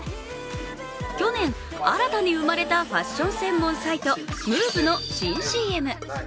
去年、新たに生まれたファッション専門サイトＭＯＶＥの新ＣＭ。